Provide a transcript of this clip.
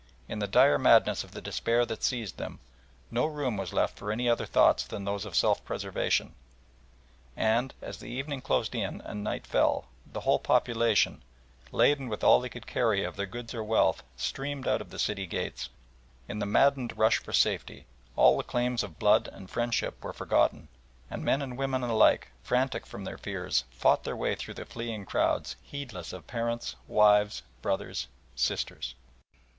In the dire madness of the despair that seized them no room was left for any other thoughts than those of self preservation, and, as the evening closed in and night fell, the whole population, laden with all they could carry of their goods or wealth, streamed out of the city gates. In the maddened rush for safety, all the claims of blood and friendship were forgotten, and men and women alike, frantic from their fears, fought their way through the fleeing crowds heedless of parents, wives, brothers, sisters.